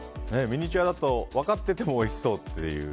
ミニチュアだと分かっていてもおいしそうという。